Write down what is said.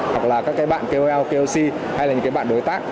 hoặc là các cái bạn kol klc hay là những cái bạn đối tác